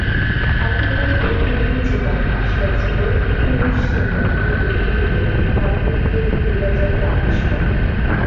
অতঃপর ঐগুলি যে-পথে আসিয়াছিল, পুরুষ সেই পথেই ঐগুলিকে কর্মেন্দ্রিয়ে ফিরিয়া যাইতে আদেশ করেন।